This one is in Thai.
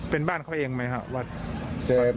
เป็นบ้านเขาเองไหมครับวัดน้องแรง